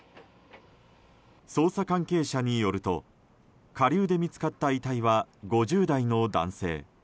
捜査関係者によると下流で見つかった遺体は５０代の男性。